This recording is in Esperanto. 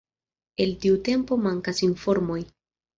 El tiu tempo mankas informoj.